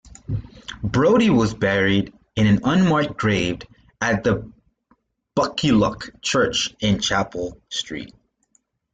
Brodie was buried in an unmarked grave at the Buccleuch Church in Chapel Street.